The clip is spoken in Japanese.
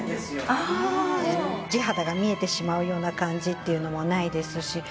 地肌が見えてしまうような感じっていうのもないですし。